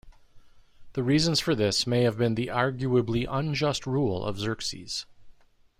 The reasons for this may have been the arguably unjust rule of Xerxes.